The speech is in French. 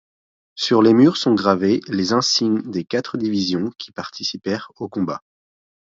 Sur les murs sont gravés les insignes des quatre divisions qui participèrent aux combats.